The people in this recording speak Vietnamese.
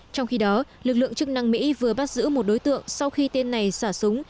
trong khi đó lực lượng chức năng mỹ vừa bắt giữ một đối tượng sau khi tên này xả súng